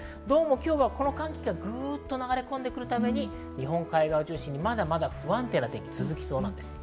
この寒気がぐっと流れ込んでくるために日本海側を中心に不安定な天気が続きそうです。